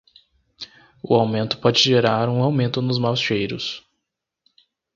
O aumento pode gerar um aumento nos maus cheiros.